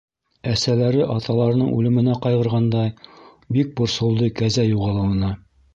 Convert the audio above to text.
Әсәләре аталарының үлеменә ҡайғырғандай, бик борсолдо кәзә юғалыуына.